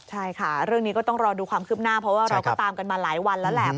ใช่ค่ะเรื่องนี้ก็ต้องรอดูความคืบหน้าเพราะว่าเราก็ตามกันมาหลายวันแล้วแหละ